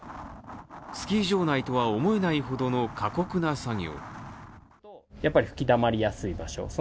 スキー場内とは思えないほどの過酷な作業。